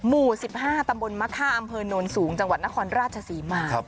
หมู่๑๕ตำบลมะค่าอำเภอโนนสูงจังหวัดนครราชศรีมา